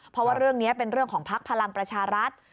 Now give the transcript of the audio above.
เพราะว่าเรื่องนี้เป็นเรื่องของภักดิ์พลังประชารัฐ